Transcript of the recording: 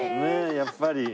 やっぱり。